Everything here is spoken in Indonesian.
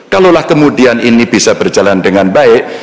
kalau lah kemudian ini bisa berjalan dengan baik